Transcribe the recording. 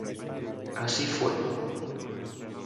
Así fue.